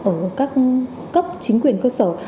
ở các cấp chính quyền cơ sở